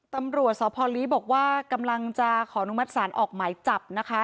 ตำรวจสพลีบอกว่ากำลังจะขออนุมัติศาลออกหมายจับนะคะ